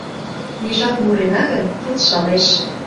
Межат мурена гын, келшалеш.